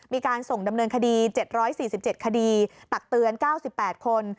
มีการส่งดำเนินคดี๗๔๗คดีตักเตือน๙๘คน